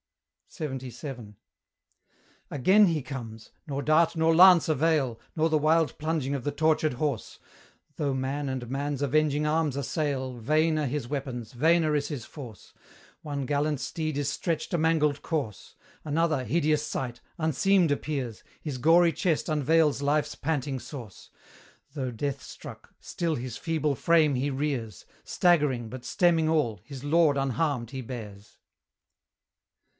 LXXVII. Again he comes; nor dart nor lance avail, Nor the wild plunging of the tortured horse; Though man and man's avenging arms assail, Vain are his weapons, vainer is his force. One gallant steed is stretched a mangled corse; Another, hideous sight! unseamed appears, His gory chest unveils life's panting source; Though death struck, still his feeble frame he rears; Staggering, but stemming all, his lord unharmed he bears.